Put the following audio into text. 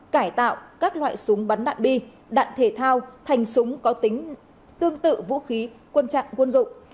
cải tạo các loại súng bắn đạn bi đạn thể thao thành súng có tính tương tự vũ khí quân trạng quân dụng